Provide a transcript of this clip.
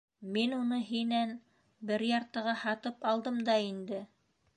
Мин уны һинән бер яртыға һатып алдым да инде?!